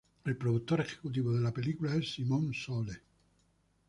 El productor ejecutivo de la película es Simon Sole.